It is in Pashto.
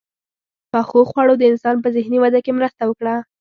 • پخو خوړو د انسان په ذهني وده کې مرسته وکړه.